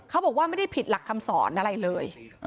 เขาบอกว่าไม่ได้ผิดหลักคำสอนอะไรเลย